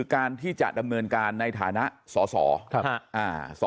การที่จะดำเนินการในฐานะสอสอ